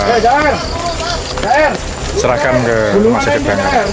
ya serahkan ke masjid bangar